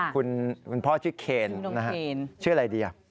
คุณพ่อชื่อเคนชื่ออะไรดีอ่ะ